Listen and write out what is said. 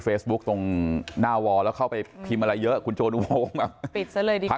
เฟซบุ๊คตรงหน้าวอแล้วเข้าไปพิมพ์อะไรเยอะคุณโจนุโวปิดเสร็จเลยดีกว่า